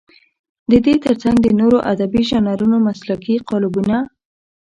د دې تر څنګ د نورو ادبي ژانرونو مسلکي قالبونه.